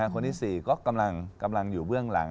คนที่๔ก็กำลังอยู่เบื้องหลัง